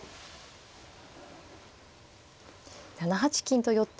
７八金と寄っても。